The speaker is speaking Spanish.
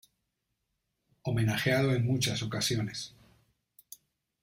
Homenajeado en muchas ocasiones.